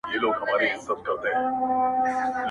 د انسانیت سره دا یو قول کومه ځمه,